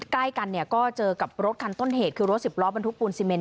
ใกล้กันก็เจอกับรถกันต้นเหตุรถสิบล้อบรรทุกปูนสิเมนท์